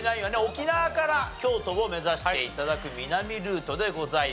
沖縄から京都を目指して頂く南ルートでございます。